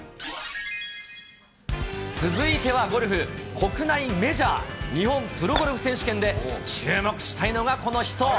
続いてはゴルフ、国内メジャー、日本プロゴルフ選手権で注目したいのがこの人。